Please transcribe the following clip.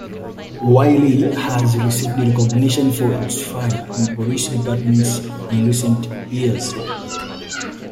Wylie has received recognition for its Fire and police Departments in recent years.